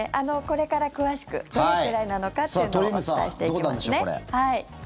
これから詳しくどれくらいなのかっていうのをお伝えしていきますね。